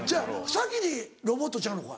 先にロボットちゃうのか？